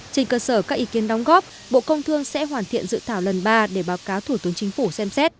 trên cơ sở các ý kiến đóng góp bộ công thương sẽ hoàn thiện dự thảo lần ba để báo cáo thủ tướng chính phủ xem xét